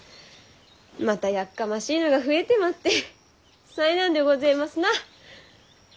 またやっかましいのが増えてまって災難でごぜますな。